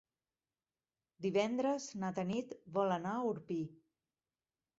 Divendres na Tanit vol anar a Orpí.